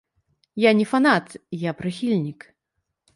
Я не фанат, я прыхільнік.